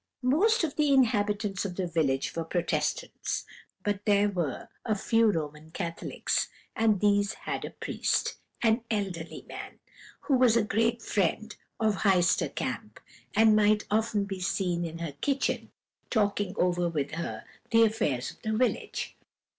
"Most of the inhabitants of the village were Protestants, but there were a few Roman Catholics, and these had a priest, an elderly man, who was a great friend of Heister Kamp, and might often be seen in her kitchen, talking over with her the affairs of the village.